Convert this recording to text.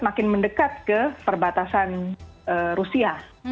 makin mendekat ke perbatasan rusia